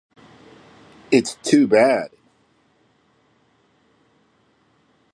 It's too bad!